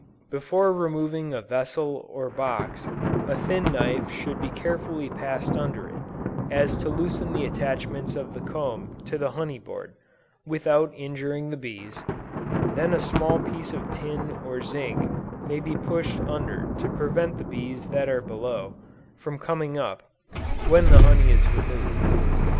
Before removing a vessel or box, a thin knife should be carefully passed under it, so as to loosen the attachments of the comb to the honey board, without injuring the bees; then a small piece of tin or zinc may be pushed under to prevent the bees that are below, from coming up, when the honey is removed.